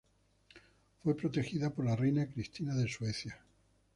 Fue protegido por la reina Cristina de Suecia.